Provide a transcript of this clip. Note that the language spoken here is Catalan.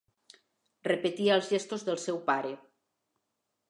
Repetia els gestos del seu pare.